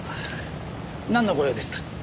なんのご用ですか？